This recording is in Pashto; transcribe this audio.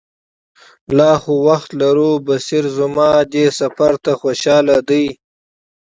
لا خو وخت لرو، بصیر زما دې سفر ته خوشاله دی.